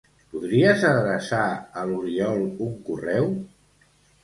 Podries adreçar a l'Oriol un correu?